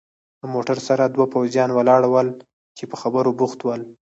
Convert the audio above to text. له موټر سره دوه پوځیان ولاړ ول چې په خبرو بوخت ول.